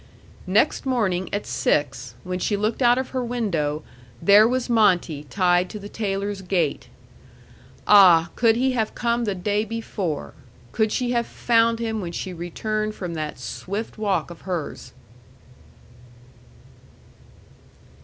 Next morning at six, when she looked out of her window, there was Monte tied to the Taylor's gate. Ah, could he have come the day before, could she have found him when she returned from that swift walk of hers!